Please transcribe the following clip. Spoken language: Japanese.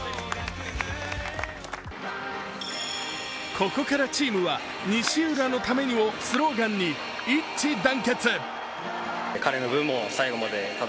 ここからチームは「西浦のために」をスローガンに一致団結。